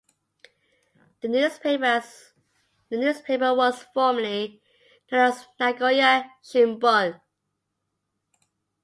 The newspaper was formerly known as "Nagoya Shimbun".